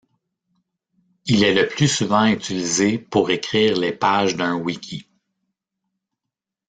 Il est le plus souvent utilisé pour écrire les pages d'un wiki.